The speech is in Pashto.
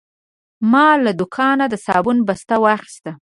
ما له دوکانه د صابون بسته واخیسته.